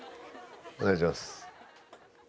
お願いします。